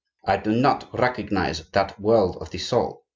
I do not recognize that world of the soul.